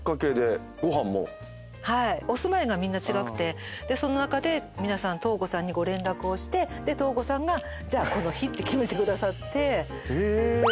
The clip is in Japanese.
お住まいがみんな違くてその中で皆さん瞳子さんにご連絡をしてで瞳子さんがじゃあこの日って決めてくださって。